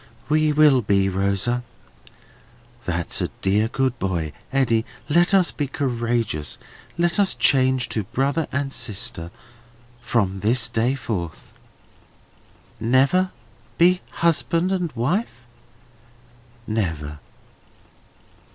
"We will be, Rosa." "That's a dear good boy! Eddy, let us be courageous. Let us change to brother and sister from this day forth." "Never be husband and wife?" "Never!"